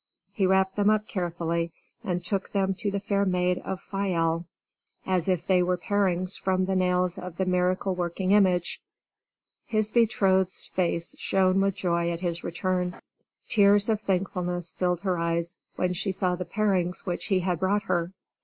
He wrapped them up carefully and took them to the fair maid of Fayal as if they were parings from the nails of the miracle working image. His betrothed's face shone with joy at his return. Tears of thankfulness filled her eyes when she saw the parings which he had brought her.